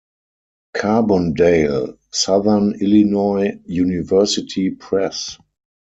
Carbondale: Southern Illinois University Press.